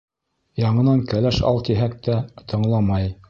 Яңынан кәләш ал тиһәк тә, тыңламай.